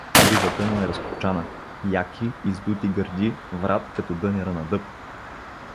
Ризата му е разкопчана — яки, издути гърди, врат като дънера на дъб.